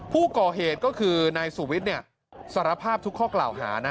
ผู้ก่อเหตุก็คือนายสุวิทย์สารภาพทุกข้อกล่าวหานะ